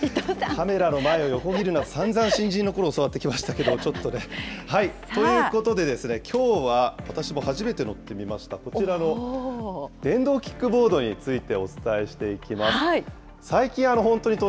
カメラの前を横切るなとさんざん新人のころ教わってきましたけど、ちょっとね。ということでですね、きょうは私も初めて乗ってみました、こちらの電動キックボードについてお伝えしていきます。